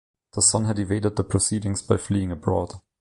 The son had evaded the proceedings by fleeing abroad.